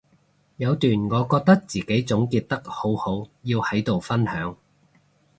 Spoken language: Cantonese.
有段我覺得自己總結得好好要喺度分享